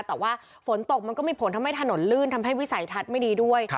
แต่ว่าฝนตกมันก็มีผลทำให้ถนนลื่นทำให้วิสัยทัศน์ไม่ดีด้วย